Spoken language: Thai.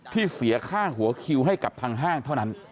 เสียค่าหัวคิวให้กับทางห้างเท่านั้น